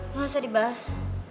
nggak usah dibahas